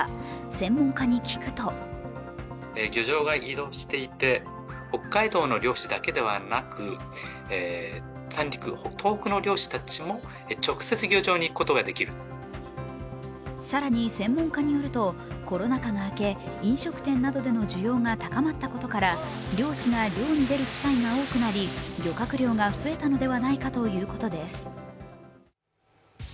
専門家に聞くと更に、専門家によるとコロナ禍が明け飲食店などでの需要が高まったことから漁師が漁に出る機会が多くなり漁獲量が増えたのではないかということです。